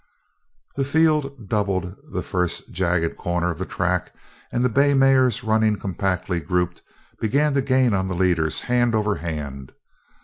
The field doubled the first jagged corner of the track and the bay mares, running compactly grouped, began to gain on the leaders hand over hand.